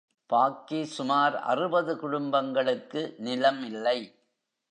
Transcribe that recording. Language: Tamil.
பாக்கி சுமார் அறுபது குடும்பங்களுக்கு நிலம் இல்லை.